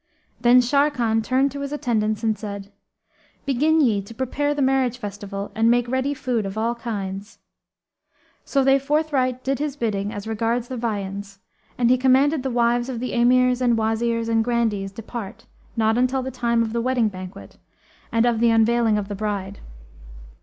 Then Sharrkan turned to his attendants and said, "Begin ye to prepare the marriage festival and make ready food of all kinds." So they forthright did his bidding as regards the viands, and he commanded the wives of the Emirs and Wazirs and Grandees depart not until the time of the wedding banquet and of the unveiling of the bride.